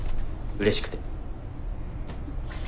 うれしくて。